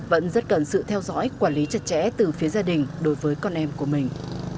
vẫn rất cần sự theo dõi quản lý chặt chẽ từ phía gia đình đối với con em của mình